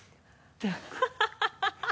ハハハ